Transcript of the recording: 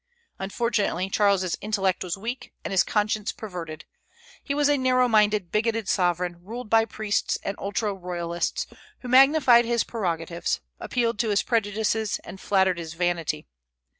Unfortunately Charles's intellect was weak and his conscience perverted; he was a narrow minded, bigoted sovereign, ruled by priests and ultra royalists, who magnified his prerogatives, appealed to his prejudices, and flattered his vanity.